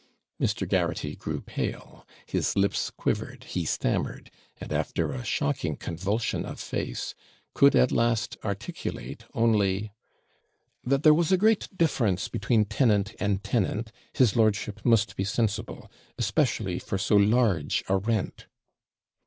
Mr. Garraghty grew pale; his lips quivered; he stammered; and, after a shocking convulsion of face, could at last articulate only 'That there was a great difference between tenant and tenant, his lordship must be sensible, especially for so large a rent.'